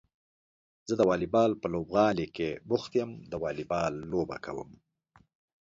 زه د واليبال په لوبغالي کې بوخت يم د واليبال لوبه کوم.